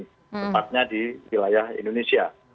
tempatnya di wilayah indonesia